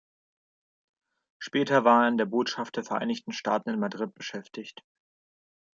Später war er an der Botschaft der Vereinigten Staaten in Madrid beschäftigt.